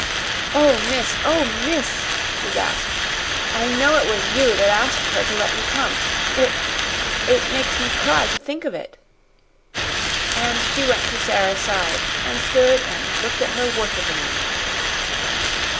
"Oh, miss! oh, miss!" she gasped; "I know it was you that asked her to let me come. It it makes me cry to think of it." And she went to Sara's side and stood and looked at her worshipingly.